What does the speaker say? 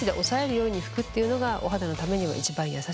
お肌のためには一番優しいです。